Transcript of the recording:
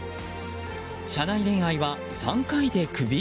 社内恋愛は３回でクビ？